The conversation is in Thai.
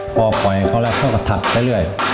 พ่อปล่อยโคลนแค่ทัดไปเรื่อย